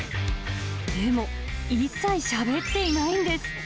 でも、一切しゃべってないんです。